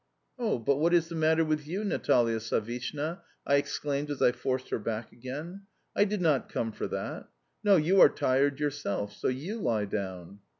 "Oh, but what is the matter with you, Natalia Savishna?" I exclaimed as I forced her back again. "I did not come for that. No, you are tired yourself, so you LIE down."